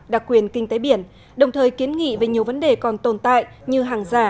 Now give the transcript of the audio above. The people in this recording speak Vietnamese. đặc quyền kinh tế biển đồng thời kiến nghị về nhiều vấn đề còn tồn tại như hàng giả